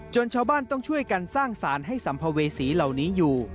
ชาวบ้านต้องช่วยกันสร้างสารให้สัมภเวษีเหล่านี้อยู่